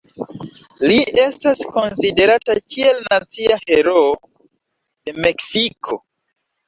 Li estas konsiderata kiel nacia heroo de Meksiko.